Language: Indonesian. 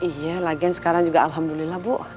iya lagian sekarang juga alhamdulillah bu